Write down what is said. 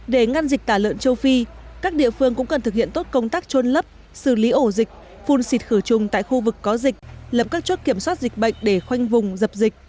để ngăn dịch tả lợn châu phi các địa phương cũng cần thực hiện tốt công tác trôn lấp xử lý ổ dịch phun xịt khử trùng tại khu vực có dịch lập các chốt kiểm soát dịch bệnh để khoanh vùng dập dịch